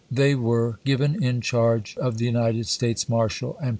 They were given in charge of the United States marshal, and Chap.